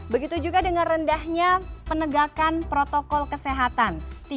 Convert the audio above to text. begitu juga dengan rendahnya penegakan protokol kesehatan